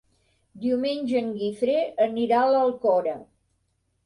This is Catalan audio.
Diumenge en Guifré anirà a l'Alcora.